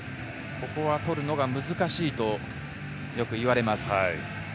ここは取るのが難しいと言われます。